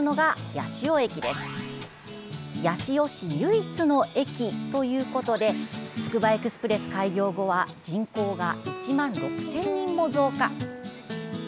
八潮市唯一の駅ということでつくばエクスプレス開業後は人口が１万６０００人も増加！